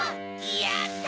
やった！